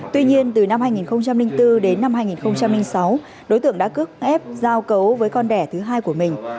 tuy nhiên từ năm hai nghìn bốn đến năm hai nghìn sáu đối tượng đã cướp ép giao cấu với con đẻ thứ hai của mình